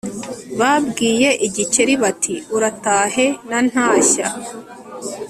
babwiye igikeri bati uratahe na ntashya